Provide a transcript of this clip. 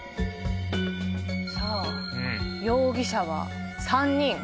さあ容疑者は３人。